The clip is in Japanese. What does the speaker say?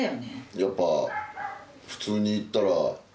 やっぱ普通にいったら。